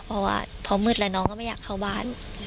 เพราะว่าพอมืดแล้วน้องก็ไม่อยากเข้าบ้าน